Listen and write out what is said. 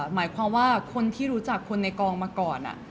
หมายความว่าคนที่รู้จักคนในกองมาก่อน